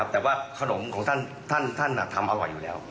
แต่ว่าขนมของท่านท่านอะทำเอาไว้อยู่แล้ว